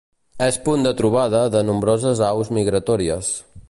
És punt de trobada de nombroses aus migratòries.